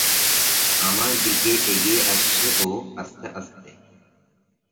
আমার দিকে এগিয়ে আসছে ও আস্তেআস্তে